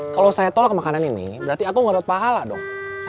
kalau saya tolak makanan ini berarti aku ngedorot pahala dong